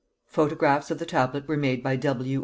Photographs of the tablet were made by W.